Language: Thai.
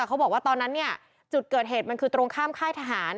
เขาบอกว่าตอนนั้นเนี่ยจุดเกิดเหตุมันคือตรงข้ามค่ายทหาร